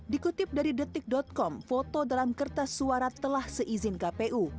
dikutip dari detik com foto dalam kertas suara telah seizin kpu